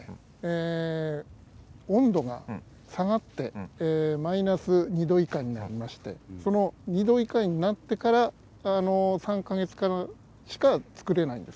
温度が下がってマイナス２度以下になりましてその２度以下になってから３か月間でしか作れないんです。